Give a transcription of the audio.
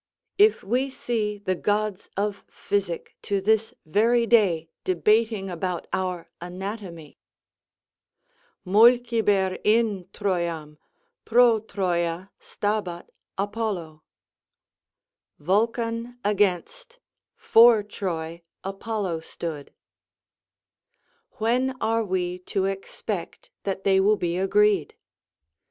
If we see the gods of physic to this very day debating about our anatomy, Mulciber in Trojam, pro Trojâ stabat Apollo; "Vulcan against, for Troy Apollo stood;" when are we to expect that they will be agreed?